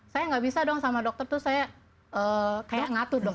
saya nggak bisa dong sama dokter tuh saya kayak ngatur dong